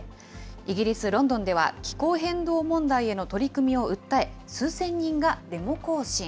イギリス・ロンドンでは気候変動問題への取り組みを訴え、数千人がデモ行進。